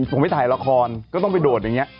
แล้วใดผมขนาดนี้